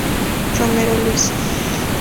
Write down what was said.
Romero, Luís.